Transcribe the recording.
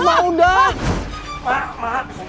mak udah mak